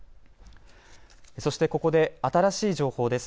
そしてここで新しい情報です。